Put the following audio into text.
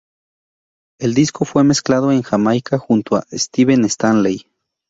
El disco fue mezclado en Jamaica junto a Steven Stanley.